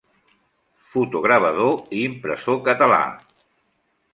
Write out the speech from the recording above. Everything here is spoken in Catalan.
Fotogravador i impressor català.